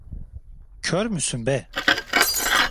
Kör müsün be!